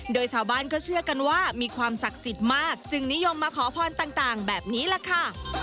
โดยชาวบ้านก็เชื่อกันว่ามีความศักดิ์สิทธิ์มากจึงนิยมมาขอพรต่างแบบนี้แหละค่ะ